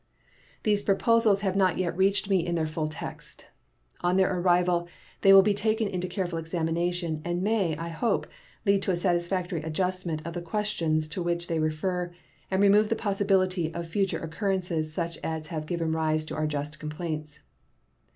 These proposals have not yet reached me in their full text. On their arrival they will be taken into careful examination, and may, I hope, lead to a satisfactory adjustment of the questions to which they refer and remove the possibility of future occurrences such as have given rise to our just complaints.